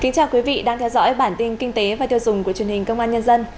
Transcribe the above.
chào mừng quý vị đến với bản tin kinh tế và tiêu dùng của truyền hình công an nhân dân